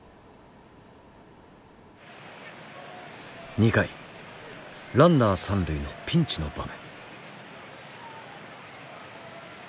２回ランナー三塁のピンチの場面。